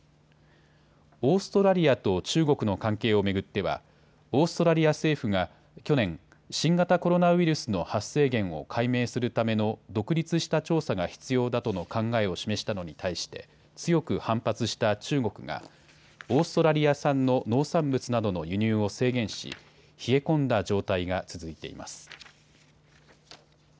オーストラリアと中国の関係を巡ってはオーストラリア政府が去年、新型コロナウイルスの発生源を解明するための独立した調査が必要だとの考えを示したのに対して強く反発した中国がオーストラリア産の農産物などの輸入を制限し冷え込んだ状態が続いています。